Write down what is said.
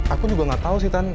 aku juga gak tau sih tan